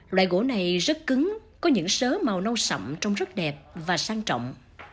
loại gỗ này rất cứng có những sớ màu nâu sậm trông rất đẹp và sang trọng